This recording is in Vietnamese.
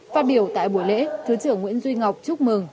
phát biểu tại buổi lễ thứ trưởng nguyễn duy ngọc chúc mừng